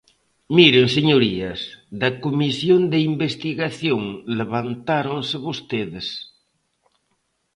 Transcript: Miren, señorías, da comisión de investigación levantáronse vostedes.